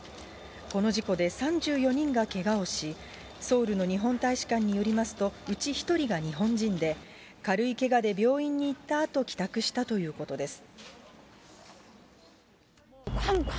この事故で３４人がけがをし、ソウルの日本大使館によりますと、うち１人が日本人で、軽いけがで病院に行ったあと帰宅したということです。